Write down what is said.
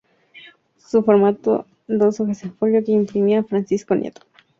Su formato, dos hojas en folio que imprimía Francisco Nieto.